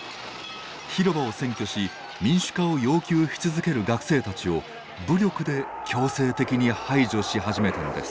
広場を占拠し民主化を要求し続ける学生たちを武力で強制的に排除し始めたのです。